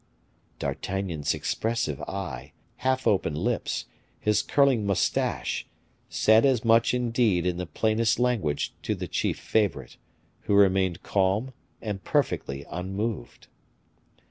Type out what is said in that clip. D'Artagnan's expressive eye, half opened lips, his curling mustache, said as much indeed in the plainest language to the chief favorite, who remained calm and perfectly unmoved.